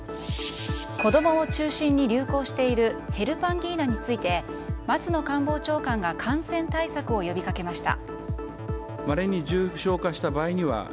子供を中心に流行しているヘルパンギーナについて松野官房長官が感染対策を呼び掛けました。